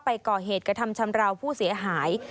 ก่อเหตุกระทำชำราวผู้เสียหาย